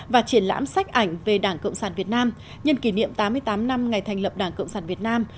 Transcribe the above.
và triển lãm sách ảnh về đảng cộng sản việt nam nhân kỷ niệm tám mươi tám năm ngày thành lập đảng cộng sản việt nam